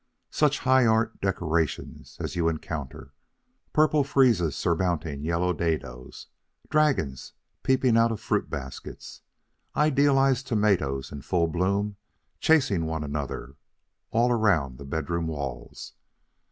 Such high art decorations as you encounter purple friezes surmounting yellow dadoes; dragons peeping out of fruit baskets; idealized tomatoes in full bloom chasing one another all around the bedroom walls.